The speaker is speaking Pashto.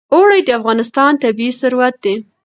اوړي د افغانستان طبعي ثروت دی.